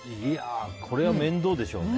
これは面倒でしょうね。